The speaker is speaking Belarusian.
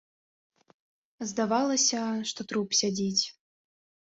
Здавалася, што труп сядзіць.